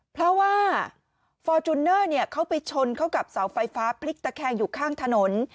เพราะว่าฟอร์จูเนอร์เขาไปชนเข้ากับเสาไฟฟ้าพลิกตะแคงอยู่ข้างถนน